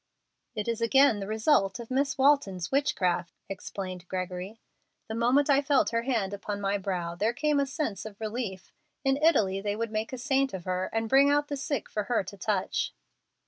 "It is again the result of Miss Walton's witchcraft," explained Gregory. "The moment I felt her hand upon my brow, there came a sense of relief. In Italy they would make a saint of her, and bring out the sick for her to touch."